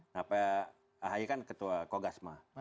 nah pak ahy kan ketua kogasma